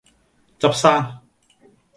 執生